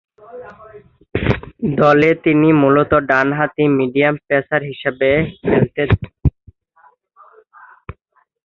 দলে তিনি মূলত ডানহাতি মিডিয়াম পেসার হিসেবে খেলতেন।